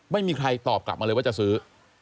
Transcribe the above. ไม่มีใครตอบกลับมาเลยว่าจะซื้อ